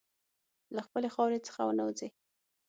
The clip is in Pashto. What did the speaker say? له خپلې خاورې څخه ونه وځې.